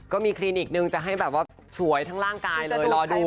ก็มีคลินิขนึงจะให้แบบว่าสวยทั้งร่างกายอยู่